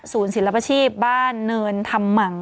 ศูนย์ศิลปชีพบ้านเนินทำหมัง